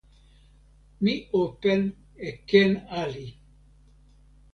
mi open e ken ali.